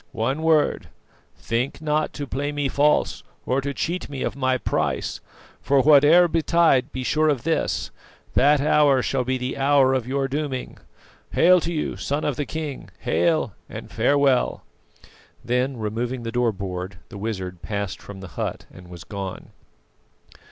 One word think not to play me false, or to cheat me of my price; for whate'er betides, be sure of this, that hour shall be the hour of your dooming. Hail to you, Son of the King! Hail! and farewell." Then, removing the door board, the wizard passed from the hut and was gone.